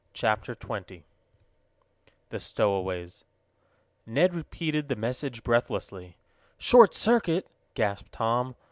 CHAPTER XX THE STOWAWAYS Ned repeated the message breathlessly. "Short circuit!" gasped Tom.